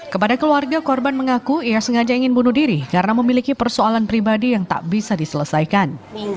kepada keluarga korban mengaku ia sengaja ingin bunuh diri karena memiliki persoalan pribadi yang tak bisa diselesaikan